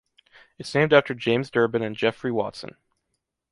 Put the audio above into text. It’s named after James Durbin and Geoffrey Watson.